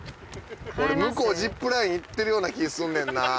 俺向こうジップライン行ってるような気すんねんな。